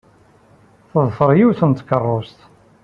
Teḍfer yiwet n tkeṛṛust.